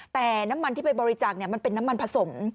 แต่น้ำมันที่ไปบริจาคมันเป็นน้ำมันผสม